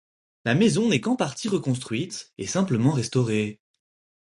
La maison n'est qu'en partie reconstruite et simplement restaurée.